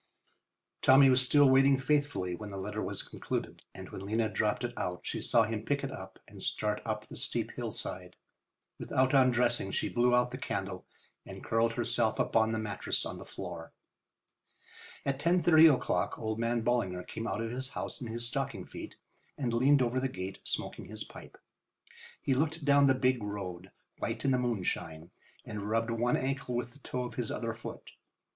Tommy was still waiting faithfully when the letter was concluded, and when Lena dropped it out she saw him pick it up and start up the steep hillside. Without undressing she blew out the candle and curled herself upon the mattress on the floor. At 10:30 o'clock old man Ballinger came out of his house in his stocking feet and leaned over the gate, smoking his pipe. He looked down the big road, white in the moonshine, and rubbed one ankle with the toe of his other foot.